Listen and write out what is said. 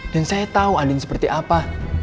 dan saya tahu andin seperti apa